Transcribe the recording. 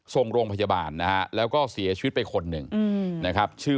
ส่งโรงพยาบาลนะฮะแล้วก็เสียชีวิตไปคนหนึ่งนะครับชื่อ